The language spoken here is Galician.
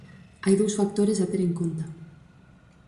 Hai dous factores a ter en conta.